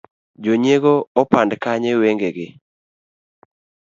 jonyiego opand kanye wangegi?